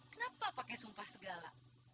kenapa pakai sumpah segala